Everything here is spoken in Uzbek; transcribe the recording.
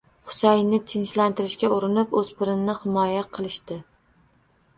Husaynni tinchlantirishga urinib, o`spirinni himoya qilishdi